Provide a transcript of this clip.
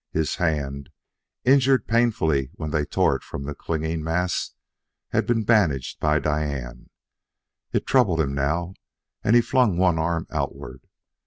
His hand, injured painfully when they tore it from the clinging mass, had been bandaged by Diane. It troubled him now, and he flung one arm outward.